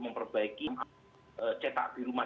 memperbaiki cetak di rumah